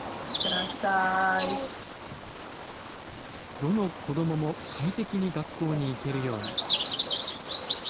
どの子どもも快適に学校に行けるように。